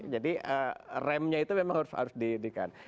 jadi remnya itu memang harus dihidupkan